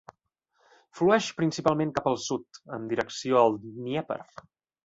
Flueix principalment cap al sud, en direcció al Dnièper.